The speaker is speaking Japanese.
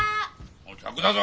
おい客だぞ。